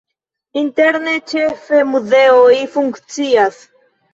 Interne ĉefe muzeoj funkcias.